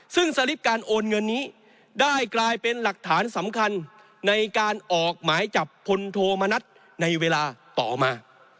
ซึ่งสลิปการโอนเงินนี้ได้กลายเป็นหลักฐานสำคัญในการออกหมายจับพลโทมณัฐในเวลาต่อมา